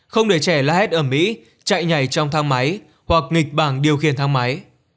không để trẻ lá hét ẩm ý chạy nhảy trong thang máy hoặc nghịch bảng điều khiển thang máy